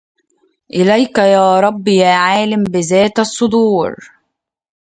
إليك يا رب يا عالم بذات الصدور